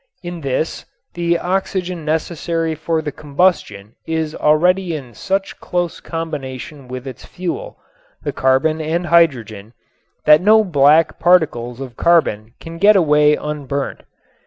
In this the oxygen necessary for the combustion is already in such close combination with its fuel, the carbon and hydrogen, that no black particles of carbon can get away unburnt.